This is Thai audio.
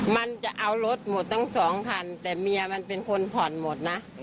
มันจะเอารถหมดทั้งสองคันแต่เมียมันเป็นคนผ่อนหมดนะ